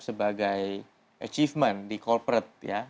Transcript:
sebagai achievement di corporate ya